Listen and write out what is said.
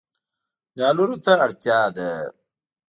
ډالرو ته اړتیا ده